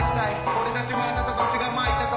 俺たちはあなたたちが蒔いた種